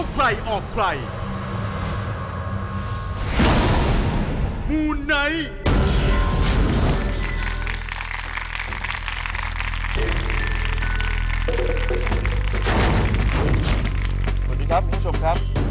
สวัสดีครับคุณผู้ชมครับ